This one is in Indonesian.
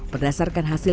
berdasarkan hantu pocong